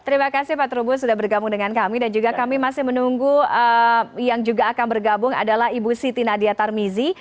terima kasih pak trubus sudah bergabung dengan kami dan juga kami masih menunggu yang juga akan bergabung adalah ibu siti nadia tarmizi